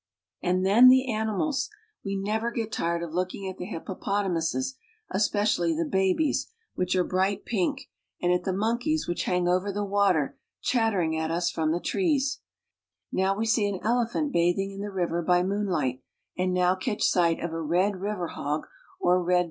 And then the animals! iVe never get tired of wking at the hippo Lpotamuses, especially I'ihe babies, which are I bright pink, and at the linonkeys which hang ^Ver the water chatter |bg at us from the trees, we see an ele phant bathing in the I tiver by moonlight, and now catch sight of a red river hog or red Kongo chief.